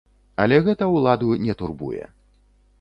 Але гэта ўладу не турбуе.